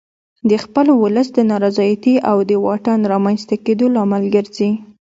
د خپل ولس د نارضایتي او د واټن رامنځته کېدو لامل ګرځي.